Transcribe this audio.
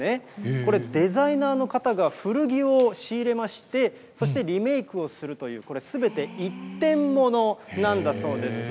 これ、デザイナーの方が古着を仕入れまして、そしてリメークをするという、これ、すべて一点物なんだそうです。